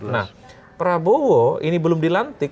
nah prabowo ini belum dilantik